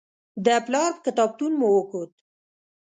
د پلار کتابتون مو وکت.